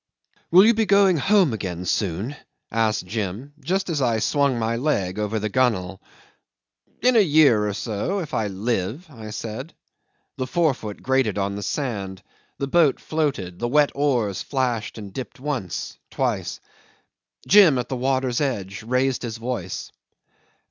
"Will you be going home again soon?" asked Jim, just as I swung my leg over the gunwale. "In a year or so if I live," I said. The forefoot grated on the sand, the boat floated, the wet oars flashed and dipped once, twice. Jim, at the water's edge, raised his voice.